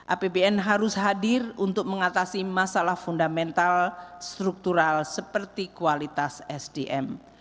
apbn harus hadir untuk mengatasi masalah fundamental struktural seperti kualitas sdm